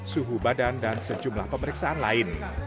suhu badan dan sejumlah pemeriksaan lain